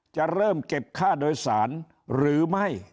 จะเริ่มเก็บค่าโดยสารหรือไม่